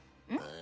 ん？